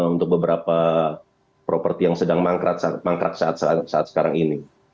untuk beberapa properti yang sedang mangkrak saat sekarang ini